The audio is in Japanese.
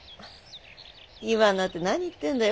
今になって何言ってんだよ。